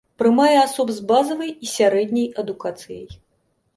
Прымае асоб з базавай і сярэдняй адукацыяй.